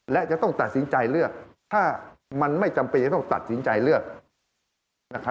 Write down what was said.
และจะต้องตัดสินใจเลือกถ้ามันไม่จำเป็นจะต้องตัดสินใจเลือก